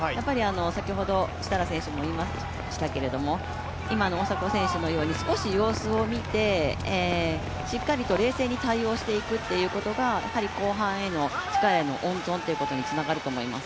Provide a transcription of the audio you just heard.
先ほど設楽選手も言いましたけれども、今の大迫選手のように少し様子を見て、しっかりと冷静に対応していくってことが、後半への力への温存ということにつながると思います。